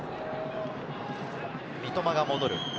三笘が戻る。